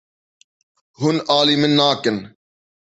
Hûn alî min nakin.